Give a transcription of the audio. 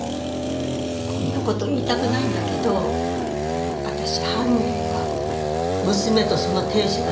こんな事言いたくないんだけど私犯人は娘とその亭主だと思うの。